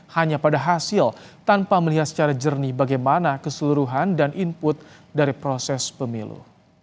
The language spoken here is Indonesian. hanya pada hasil tanpa melihat secara jernih bagaimana keseluruhan dan input dari proses pemilu